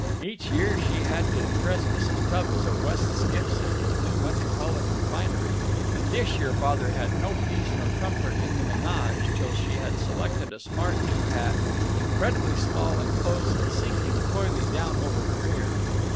Each year she had to impress Mrs. Tubbs of West Skipsit with new metropolitan finery, and this year Father had no peace nor comfort in the ménage till she had selected a smart new hat, incredibly small and close and sinking coyly down over her ear.